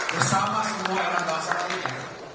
bersama semua orang bahasa indonesia